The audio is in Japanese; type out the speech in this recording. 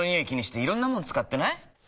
気にしていろんなもの使ってない？